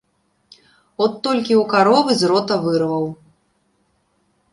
От толькі ў каровы з рота вырваў.